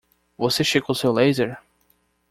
Você checou seu laser?